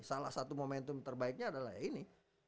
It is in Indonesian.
salah satu momentum terbaiknya adalah ini